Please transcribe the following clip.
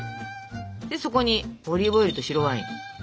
そこにオリーブオイルと白ワイン。